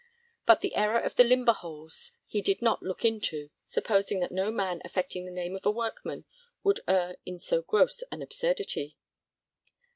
But the error of the limber holes he did not look into, supposing that no man affecting the name of a workman would err in so gross an absurdity.